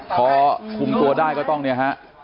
พอคุมตัวได้ก็ต้องเนี่ยฮะ